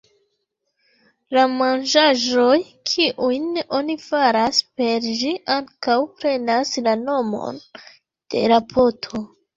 La manĝaĵoj kiujn oni faras per ĝi ankaŭ prenas la nomon de la poto.